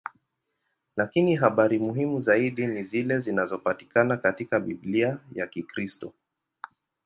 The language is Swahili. Lakini habari muhimu zaidi ni zile zinazopatikana katika Biblia ya Kikristo.